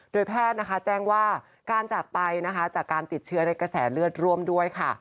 โดยแพทย์นะคะแจ้งว่าการจากไปนะคะจากการติดเชื้อในกระแสเลือดร่วมด้วยค่ะ